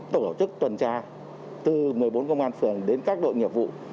tổ chức tuần tra từ một mươi bốn công an phường đến các đội nghiệp vụ